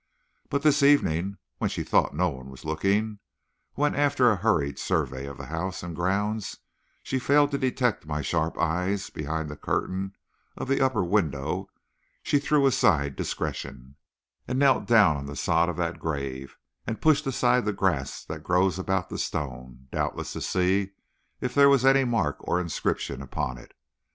But this evening, when she thought no one was looking, when after a hurried survey of the house and grounds she failed to detect my sharp eyes behind the curtain of the upper window, she threw aside discretion, knelt down on the sod of that grave, and pushed aside the grass that grows about the stone, doubtless to see if there was any marks or inscription upon it.